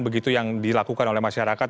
begitu yang dilakukan oleh masyarakat